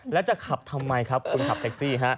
แล้วจะขับทำไมครับคนขับแท็กซี่ฮะ